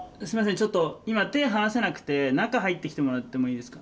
ちょっと今手ぇ離せなくて中入ってきてもらってもいいですか？